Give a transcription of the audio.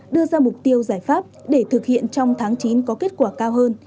đưa ra mục tiêu giải pháp để thực hiện trong tháng chín có kết quả cao hơn